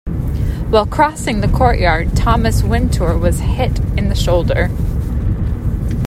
While crossing the courtyard Thomas Wintour was hit in the shoulder.